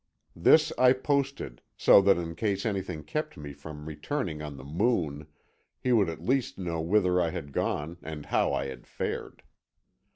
This I posted, so that in case anything kept me from returning on the Moon, he would at least know whither I had gone and how I had fared.